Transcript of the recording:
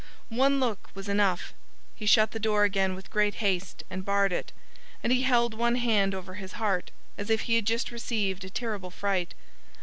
One look was enough. He shut the door again with great haste and barred it. And he held one hand over his heart, as if he had just received a terrible fright.